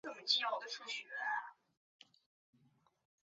抽签仪式同时决定出种子国将各在哪场预赛中投票。